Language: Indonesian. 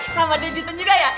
sama jason juga ya